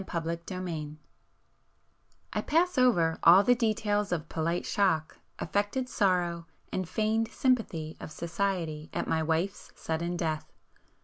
[p 426]XXXVII I pass over all the details of polite "shock," affected sorrow, and feigned sympathy of society at my wife's sudden death.